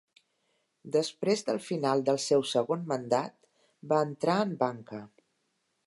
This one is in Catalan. Després del final del seu segon mandat, va entrar en banca.